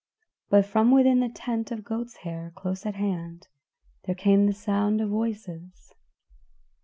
But from within the tent of goat's hair close at hand there came the sound of voices.